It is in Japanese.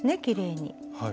きれいに。